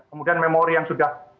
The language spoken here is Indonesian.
kemudian memori yang sudah